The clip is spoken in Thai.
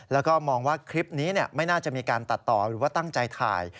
แล้วก็มองว่าคลิปนี้ไม่น่าจะมีการตัดต่อหรือว่าตั้งใจถ่าย